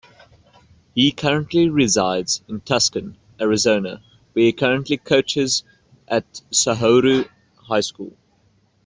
He currently resides in Tucson, Arizona, where he currently coaches at Sahuaro high school.